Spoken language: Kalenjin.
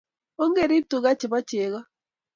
Ongerip tuka che po cheko